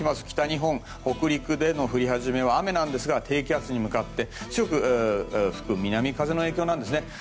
北日本、北陸での降り始めは雨ですが低気圧に向かって強く吹く南風の影響なんですね。